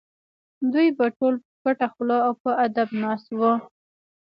دوی به ټول پټه خوله او په ادب ناست وو.